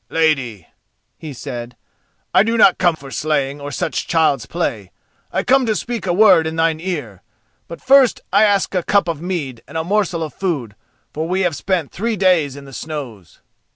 "Lady," he said, "I do not come for slaying or such child's play, I come to speak a word in thine ear—but first I ask a cup of mead and a morsel of food, for we have spent three days in the snows."